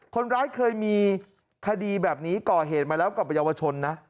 คนร้ายเคยมีคดีแบบนี้ก่อเหตุมาแล้วกับเยาวชนนะ